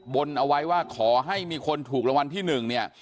บนเอาไว้ว่าขอให้มีคนถูกรางวัลที่๑เนี่ย